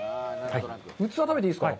器食べていいですか？